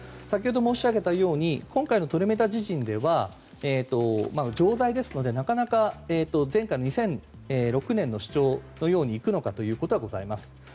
先ほど申し上げたように今回のトリメタジジンでは錠剤ですので２００６年の主張のようにいくのかということはございます。